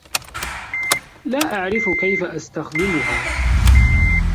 لا أعرف كيف أستخدمها.